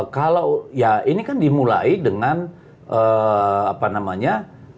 kalau ya ini kan dimulai dengan apa namanya